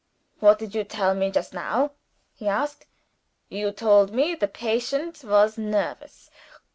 "What did you tell me just now?" he asked. "You told me the patient was nervous.